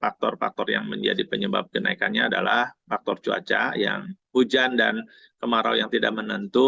faktor faktor yang menjadi penyebab kenaikannya adalah faktor cuaca yang hujan dan kemarau yang tidak menentu